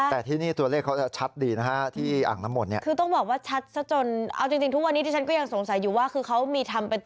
แต่ที่นี่ตัวเลขเขาจะชัดดีนะฮะที่อ่างน้ำมนต์เนี่ย